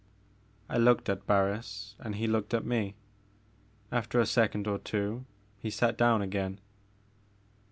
' I looked at Barris and he looked at me. After a second or two he sat down again.